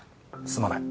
すまない。